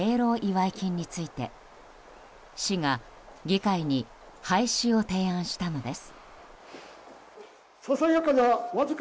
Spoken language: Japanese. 祝い金について市が、議会に廃止を提案したのです。